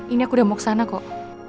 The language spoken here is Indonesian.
ini aku udah mau kesana kok